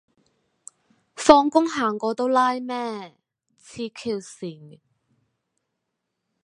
放工行過都拉咩，痴 Q 線